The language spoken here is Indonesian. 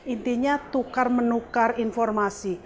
intinya tukar menukar informasi